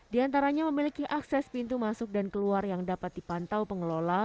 di antaranya memiliki akses pintu masuk dan keluar yang dapat dipantau pengelola